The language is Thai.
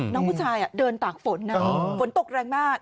น้องผู้ชายเดินตากฝนนะฝนตกแรงมาก